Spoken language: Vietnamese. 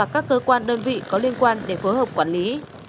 các cơ quan đơn vị có liên quan để phối hợp quản lý